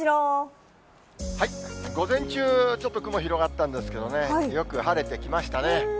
午前中、ちょっと雲広がったんですけどね、よく晴れてきましたね。